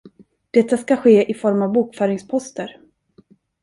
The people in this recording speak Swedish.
Detta ska ske i form av bokföringsposter.